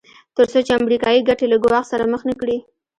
تر څو چې امریکایي ګټې له ګواښ سره مخ نه کړي.